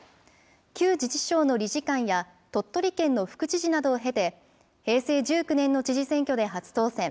旧自治省の理事官や、鳥取県の副知事などを経て、平成１９年の知事選挙で初当選。